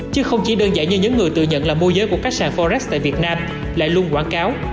chứ không chỉ đơn giản như những người tự nhận là môi giới của các sàn forex tại việt nam lại luôn quảng cáo